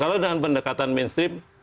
kalau dengan pendekatan mainstream